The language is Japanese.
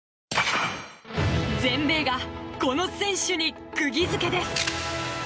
全米がこの選手に釘付けです。